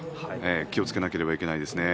気をつけなければいけないですね。